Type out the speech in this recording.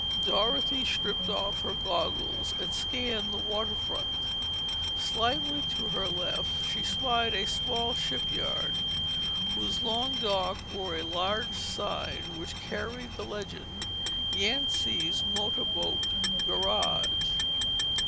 Dorothy stripped off her goggles and scanned the waterfront. Slightly to her left she spied a small shipyard, whose long dock bore a large sign which carried the legend: "Yancy's Motor Boat Garage."